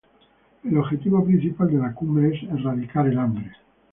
El objetivo principal de la Cumbre es erradicar el hambre.